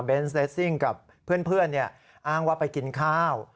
เลสซิ่งกับเพื่อนอ้างว่าไปกินข้าว